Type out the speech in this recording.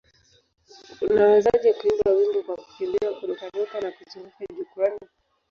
Unawezaje kuimba wimbo kwa kukimbia, kururuka na kuzunguka jukwaani?